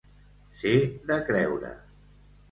Ser de creure.